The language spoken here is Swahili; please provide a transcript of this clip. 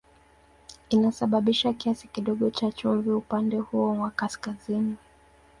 Inasababisha kiasi kidogo cha chumvi upande huo wa kaskazini.